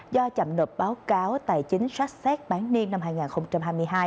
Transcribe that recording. do chậm nộp báo cáo tài chính sát xét bán niêm năm hai nghìn hai mươi hai